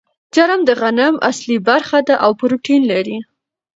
جرم د غنم اصلي برخه ده او پروټین لري.